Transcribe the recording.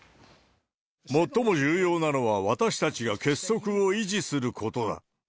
最も重要なのは、私たちが結束を維持することだ。